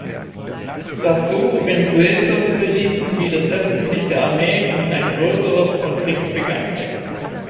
Sassou-Nguessos Milizen widersetzten sich der Armee, und ein größerer Konflikt begann.